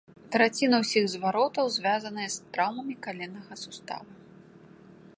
Траціна ўсіх зваротаў звязаная з траўмамі каленнага сустава.